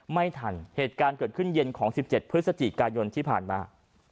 ไม่ทันเหตุการณ์เกิดขึ้นเย็นของ๑๗พฤศจิกายนที่ผ่านมา